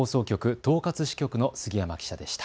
東葛支局の杉山記者でした。